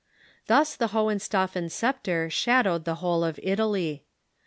Thus the Hohenstaufen sceptre shadow^ed the whole of Italy.